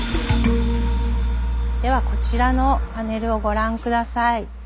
ではこちらのパネルをご覧下さい。